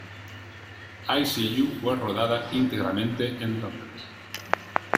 I See You fue rodada íntegramente en Londres.